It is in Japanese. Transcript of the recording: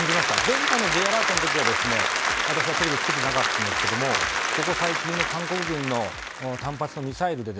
前回のＪアラートの時は私はテレビをつけていなかったんですがここ最近の韓国軍の単発のミサイルで